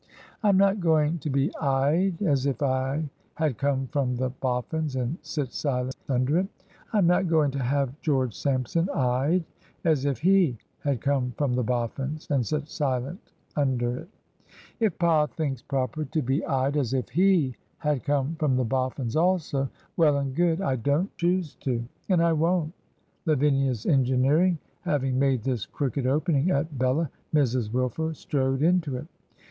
... I am not going to be eyed as if I had come from the Boffins', and sit silent under it. I am not going to have George Sampson eyed as if /te had come from the Bof fins', and sit silent under it. If pa thinks proper to be eyed as if /te had come from the Boffins' also, well and 157 Digitized by VjOOQIC HEROINES OF FICTION good. I don't choose to. And I won't I' Lavinia's engineering having made this crooked opening at Bella, Mrs. Wilf er strode into it.